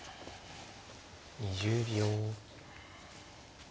２０秒。